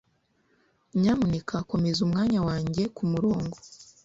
Nyamuneka komeza umwanya wanjye kumurongo.